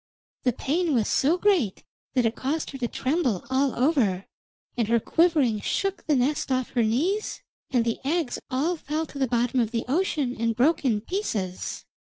The pain was so great that it caused her to tremble all over, and her quivering shook the nest off her knees, and the eggs all fell to the bottom of the ocean and broke in pieces.